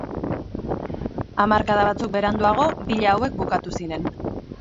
Hamarkada batzuk beranduago, villa hauek bukatu ziren.